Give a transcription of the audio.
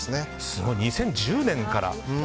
すごい、２０１０年から。